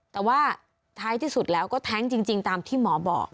แต่ว่าท้ายที่สุดแล้วก็แท้งจริงตามที่หมอบอก